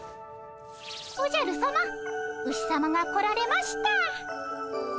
おじゃるさまウシさまが来られました。